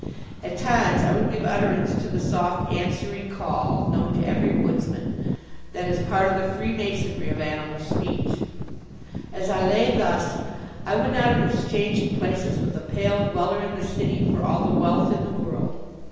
At times I would give utterance to the soft answering call, known to every woodsman, that is part of the freemasonry of animal speech. As I lay thus, I would not have exchanged places with the pale dweller in the city for all the wealth in the world.